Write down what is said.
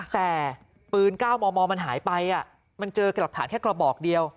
แต่ปืน๙มมมันหายไปมันเจอกับหลักฐานแค่กระบอกเดียว